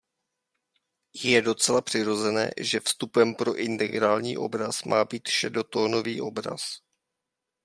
Je docela přirozené, že vstupem pro integrální obraz má být šedotónový obraz.